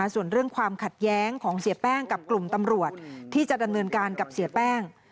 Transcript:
ส่วนเรื่องความขัดแย้งของเสียแป้งกับกลุ่มตำรวจที่จะดำเนินการกับเสียแป้ง